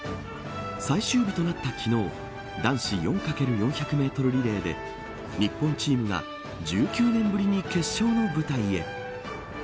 最終日となった昨日男子４×４００メートルリレーで日本チームが１９年ぶりに決勝の舞台へ。